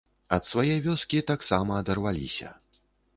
Ад свае вёскі таксама адарваліся.